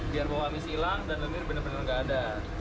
biar bau amis hilang dan lendir benar benar enggak ada